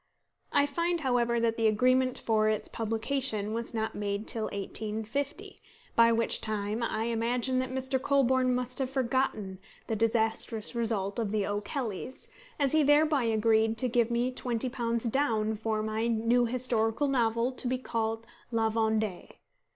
I find however that the agreement for its publication was not made till 1850, by which time I imagine that Mr. Colburn must have forgotten the disastrous result of The O'Kellys, as he thereby agrees to give me £20 down for my "new historical novel, to be called La Vendée."